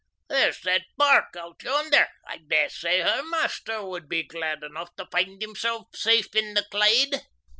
There's that barque out yonder I daresay her maister would be glad enough to find himsel' safe in the Clyde."